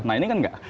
nah ini kan enggak